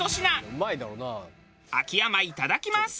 秋山いただきます。